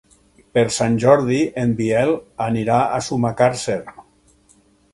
Per Sant Jordi en Biel anirà a Sumacàrcer.